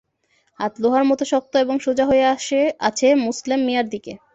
হাত লোহার মতো শক্ত এবং সোজা হয়ে আছে মোসলেম মিয়ার দিকে।